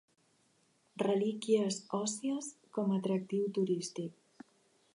Relíquies òssies com a atractiu turístic.